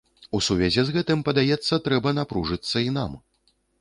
У сувязі з гэтым, падаецца, трэба напружыцца і нам.